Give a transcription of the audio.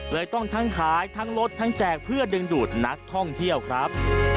เลยต้องทั้งขายทั้งลดทั้งแจกเพื่อดึงดูดนักท่องเที่ยวครับ